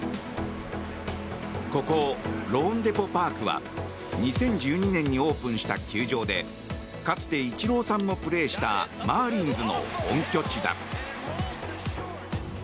ここローンデポ・パークは２０１２年にオープンした球場でかつてイチローさんもプレーしたマーリンズの本拠地だ。